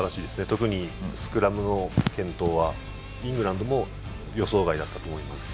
特にスクラムの健闘はイングランドも予想外だったと思います。